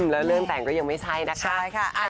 แล้วเรื่องแต่งก็ยังไม่ใช่นะคะ